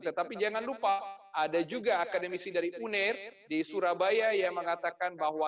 tetapi jangan lupa ada juga akademisi dari uner di surabaya yang mengatakan bahwa